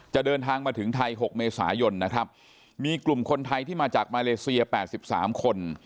เดินทางมาถึงไทย๖เมษายนนะครับมีกลุ่มคนไทยที่มาจากมาเลเซีย๘๓คน